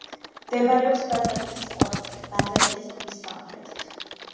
მდებარეობს ბაზალეთის პლატოზე, ბაზალეთის ტბის სამხრეთით.